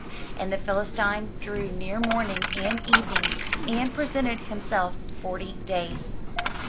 And the Philistine drew near morning and evening, and pre sented himself forty days.